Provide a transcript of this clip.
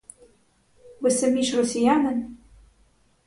Ви самі ж росіянин?